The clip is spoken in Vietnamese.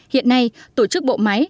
hiện nay tổ chức bộ máy